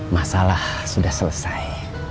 masalah sudah selesai